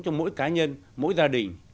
cho mỗi cá nhân mỗi gia đình